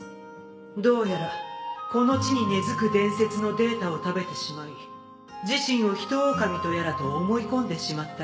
どうやらこの地に根付く伝説のデータを食べてしまい自身をヒトオオカミとやらと思い込んでしまったようです。